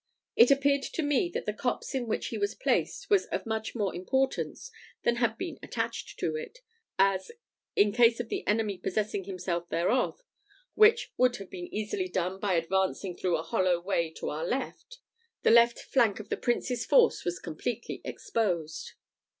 It appeared to me that the copse in which he was placed was of much more importance than had been attached to it, as, in case of the enemy possessing himself thereof, which would have been easily done by advancing through a hollow way to our left, the left flank of the Prince's force was completely exposed.